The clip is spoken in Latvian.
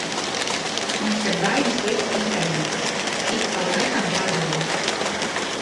Mums te baigi slikts internets, ik pa laikam pazūd.